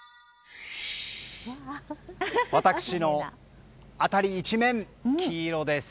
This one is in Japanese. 私の辺り一面、黄色です。